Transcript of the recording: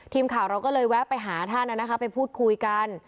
ทีมข่าวเราก็เลยแวะไปหาท่านไปพูดคุยกัน